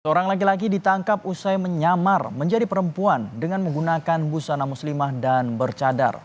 seorang laki laki ditangkap usai menyamar menjadi perempuan dengan menggunakan busana muslimah dan bercadar